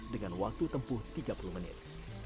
dengan waktu tempuh tiga puluh menit